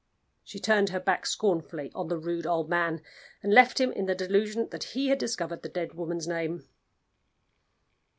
She turned her back scornfully on the rude old man, and left him in the delusion that he had discovered the dead woman's name.